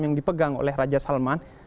yang dipegang oleh raja salman